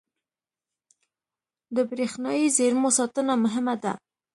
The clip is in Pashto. • د برېښنايي زېرمو ساتنه مهمه ده.